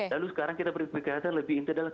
lalu sekarang kita beri perkehatan lebih inti adalah